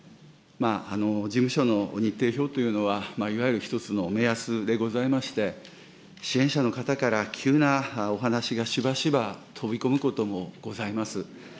事務所の日程表というのは、いわゆる一つの目安でございまして、支援者の方から急なお話がしばしば飛び込むこともございます。